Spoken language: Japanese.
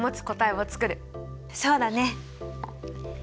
そうだね。